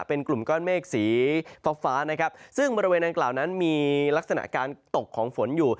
เป็นกลุ่มก้อนเมฆสีฟ้าฟ้านะครับซึ่งบริเวณดังกล่าวนั้นมีลักษณะการตกของฝนอยู่